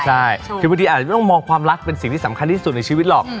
ใช่คือบางทีอาจจะต้องมองความรักเป็นสิ่งที่สำคัญที่สุดในชีวิตหรอก